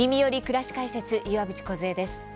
くらし解説」岩渕梢です。